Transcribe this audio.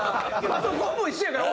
パソコンも一緒やから！